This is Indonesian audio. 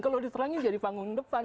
kalau diterangin jadi panggung depan